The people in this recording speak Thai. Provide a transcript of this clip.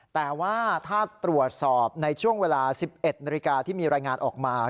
แต่ว่าถ้าตรวจสอบในช่วงเวลา๑๑นาฬิกาที่มีรายงานออกมา